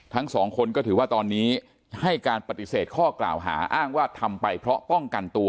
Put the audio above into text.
ทั้งสองคนก็ถือว่าตอนนี้ให้การปฏิเสธข้อกล่าวหาอ้างว่าทำไปเพราะป้องกันตัว